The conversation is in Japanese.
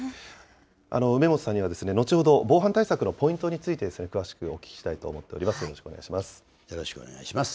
梅本さんには後ほど、防犯対策のポイントについて、詳しくお聞きしたいと思っております、よろしくお願いします。